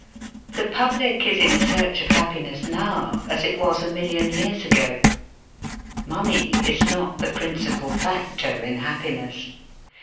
The public is in search of happiness now, as it was a million years ago. Money is not the principal factor in happiness.